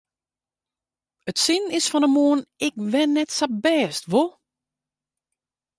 It sin is fan 'e moarn ek wer net sa bêst, wol?